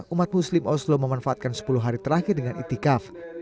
umat muslim oslo memanfaatkan sepuluh hari terakhir dengan itikaf